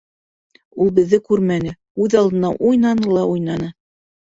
Ул беҙҙе күрмәне, үҙ алдына уйнаны ла, уйнаны.